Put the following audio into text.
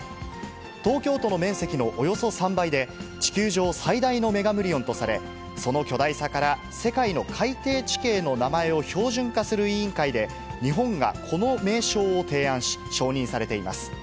東京都の面積のおよそ３倍で、地球上最大のメガムリオンとされ、その巨大さから、世界の海底地形の名前を標準化する委員会で、日本がこの名称を提案し、承認されています。